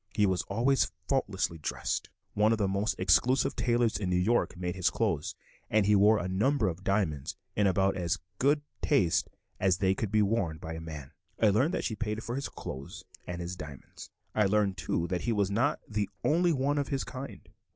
He was always faultlessly dressed; one of the most exclusive tailors in New York made his clothes, and he wore a number of diamonds in about as good taste as they could be worn in by a man. I learned that she paid for his clothes and his diamonds. I learned, too, that he was not the only one of his kind.